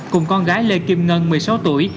cùng con gái lê kim ngân một mươi sáu tuổi